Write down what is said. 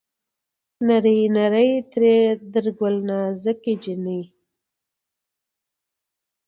نرۍ نرى تر ګل نازکه جينۍ